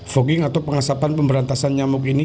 fogging atau pengasapan pemberantasan nyamuk ini